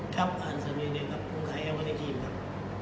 ครับอ่านเสมือเนี่ยครับผมขายให้ว่าในทีมครับ